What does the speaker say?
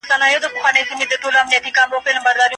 ښوونځي د زدهکوونکو تخلیقي وړتیا پیاوړې کوي.